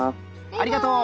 ありがとう。